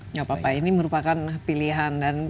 nggak apa apa ini merupakan pilihan dan